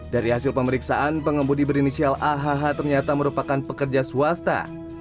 dari hasil pemeriksaan pengembudi berinisial ah ternyata merupakan pekerja swasta